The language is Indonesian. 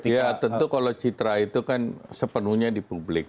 ya tentu kalau citra itu kan sepenuhnya di publik